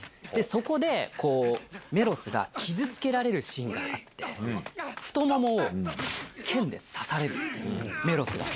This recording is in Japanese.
そこでメロスが傷つけられるシーンがあって太ももを剣で刺されるんですメロスが。